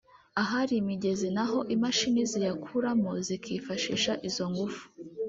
ahari imigezi naho imashini ziyakuramo zikifashisha izo ngufu